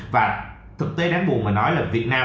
và thực tế đáng buồn mà nói là việt nam